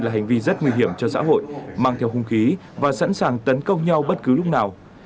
là hành vi rất nguy hiểm cho xã hội mang theo hung khí và sẵn sàng tấn công nhau bất cứ lúc nào